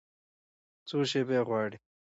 څو شیبې غواړي